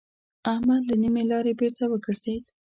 احمد له نيمې لارې بېرته وګرځېد.